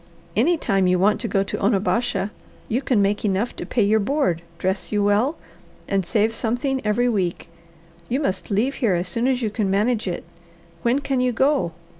Any time you want to go to Onabasha you can make enough to pay your board, dress you well, and save something every week. You must leave here as soon as you can manage it. When can you go?"